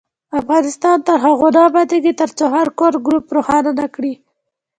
افغانستان تر هغو نه ابادیږي، ترڅو هر کور ګروپ روښانه نکړي.